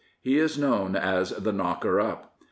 He is known as the knocker up."